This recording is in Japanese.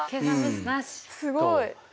すごい。